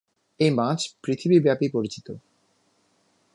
এ মাছ পৃথিবীব্যাপী পরিচিত।